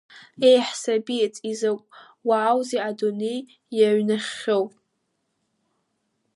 Еҳ, сабиц, изакә уааузеи адунеи иаҩнаххьоу!